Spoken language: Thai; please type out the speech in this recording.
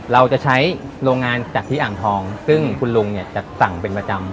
เราจะใช้โรงงานจากที่อ่างทองซึ่งคุณลุงเนี่ยจะสั่งเป็นประจำ